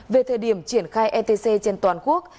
về thời điểm triển khai etc trên toàn quốc